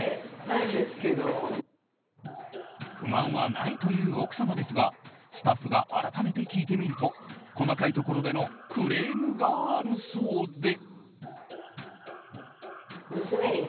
不満はないという奥様ですがスタッフが改めて聞いてみると細かいところでのクレームがあるそうで。